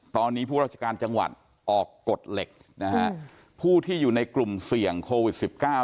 ตอนนี้ผู้ราชการจังหวัดออกกฎเหล็กนะฮะผู้ที่อยู่ในกลุ่มเสี่ยงโควิดสิบเก้า